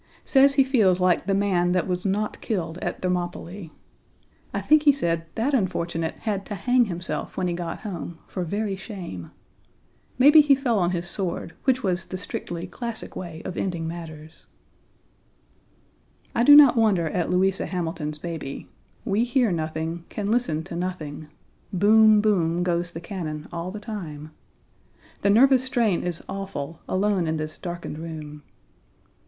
Says he feels like the man that was not killed at Thermopylae. I think he said that unfortunate had to hang himself when he got home for very shame. Maybe he fell on his sword, which was the strictly classic way of ending matters. I do not wonder at Louisa Hamilton's baby; we hear nothing, can listen to nothing; boom, boom goes the cannon all the time. The nervous strain is awful, alone in this darkened room.